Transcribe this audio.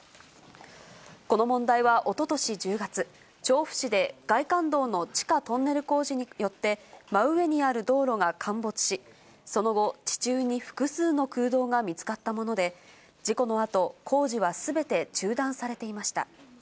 この問題はおととし１０月、調布市で外環道の地下トンネル工事によって、真上にある道路が陥没し、その後、地中に複数の空洞が見つかったもので、事故のあと、工事はすべて中断されていました。